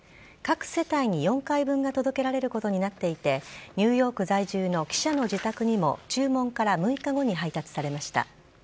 各世帯に４回分が届けられることになっていて、ニューヨーク在住の記者の自宅にも、注文から６日後に配達されました。